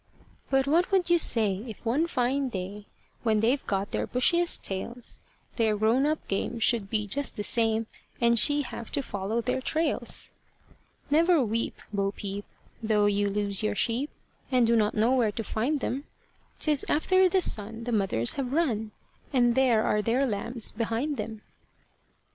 But what would you say, if one fine day, When they've got their bushiest tails, Their grown up game should be just the same, And she have to follow their trails? Never weep, Bo Peep, though you lose your sheep, And do not know where to find them; 'Tis after the sun the mothers have run, And there are their lambs behind them.